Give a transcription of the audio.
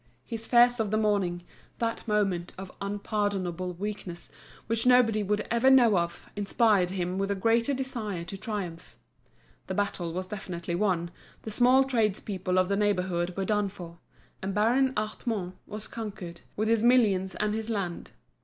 His fears of the morning, that moment of unpardonable weakness which nobody would ever know of, inspired him with a greater desire to triumph. The battle was definitely won, the small tradespeople of the neighbourhood were done for, and Baron Hartmann was conquered, with his millions and his land.